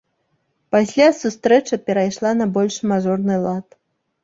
Пасля сустрэча перайшла на больш мажорны лад.